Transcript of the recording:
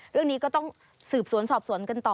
เรื่องนี้ก็ต้องสืบสวนสอบสวนกันต่อ